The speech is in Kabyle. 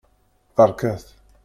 Beṛkat!